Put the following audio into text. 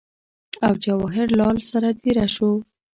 او جواهر لال سره دېره شو